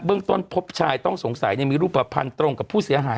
ต้นพบชายต้องสงสัยมีรูปภัณฑ์ตรงกับผู้เสียหาย